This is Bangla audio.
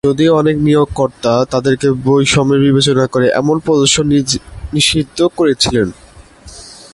যদিও অনেক নিয়োগকর্তা তাদেরকে যৌন বৈষম্যের বিবেচনা করে এমন প্রদর্শন নিষিদ্ধ করেছিলেন।